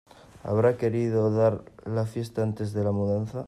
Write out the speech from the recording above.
Habrá querido dar la fiesta antes de la mudanza.